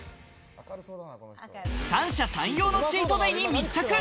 三者三様のチートデイに密着。